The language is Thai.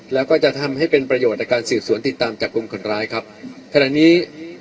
แล้วก็จะทำให้เป็นประโยชน์ในการสืบสวนติดตามจับกลุ่มคนร้ายครับขณะนี้